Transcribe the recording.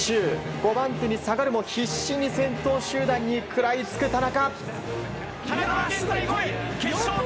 ５番手に下がるも必死に先頭集団に食らいつく田中。